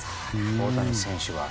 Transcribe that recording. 大谷選手は。